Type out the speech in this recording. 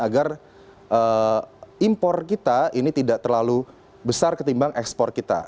agar impor kita ini tidak terlalu besar ketimbang ekspor kita